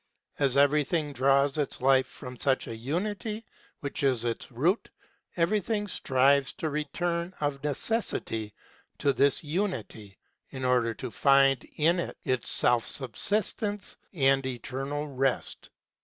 As everything draws its life from such a unity, which is its root, everything strives to return, of necessity, to this unity in order to find in it its self subsistence and eternal rest.